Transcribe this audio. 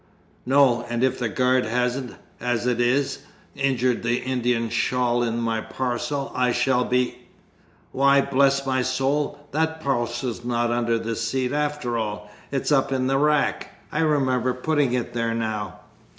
"No; and if the guard hasn't, as it is, injured that Indian shawl in my parcel, I shall be Why, bless my soul, that parcel's not under the seat after all! It's up in the rack. I remember putting it there now."